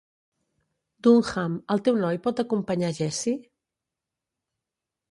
Dunham, el teu noi pot acompanyar Jesse?